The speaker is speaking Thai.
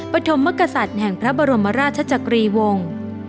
ปฐมมกษัตริย์แห่งพระบรมราชจักรีวงศ์